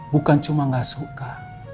bukan cuma gak suka